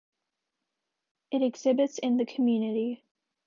It exhibits in the community.